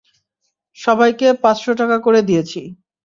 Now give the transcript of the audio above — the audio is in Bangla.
সবাইকে পাঁচশ টাকা করে দিয়েছি।